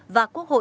và quốc hội